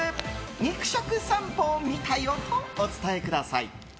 肉食さんぽ見たよとお伝えください。